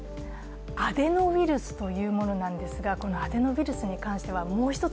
アデノウイルスというものですがこのアデノウイルスに関してはもう一つ